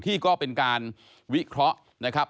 ที่ก็เป็นการวิเคราะห์นะครับ